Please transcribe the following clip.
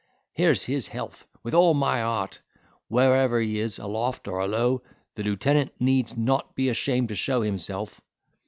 Here's his health, with all my heart: wherever he is, a loft, or a low, the lieutenant needs not be ashamed to show himself."